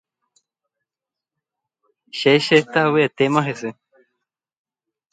Che chetavyetéma hese.